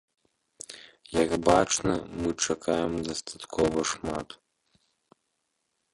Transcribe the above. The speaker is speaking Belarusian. Як бачна, мы чакаем дастаткова шмат.